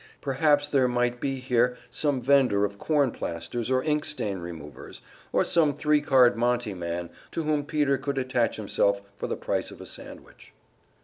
Perhaps there might be here some vender of corn plasters or ink stain removers, or some three card monte man to whom Peter could attach himself for the price of a sandwich.